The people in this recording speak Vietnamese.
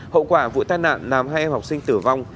hậu quả vụ tai nạn làm hai em học sinh tử vong